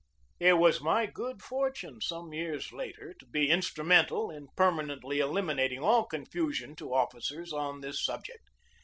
It was my good fortune some years later to be instrumental in permanently eliminating all confu sion to officers on this subject.